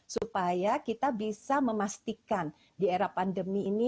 supaya kita bisa memastikan di era pandemi ini